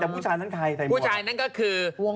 ผู้ชายนั่นก็คือ